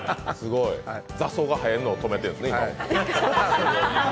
雑草が生えるのを止めているんですね。